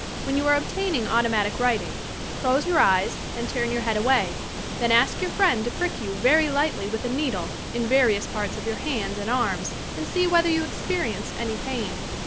When you are obtaining automatic writing, close your eyes and turn your head away, then ask your friend to prick you verj lightly with a needle in various parts of your hands and arms and see whether you experience any pain.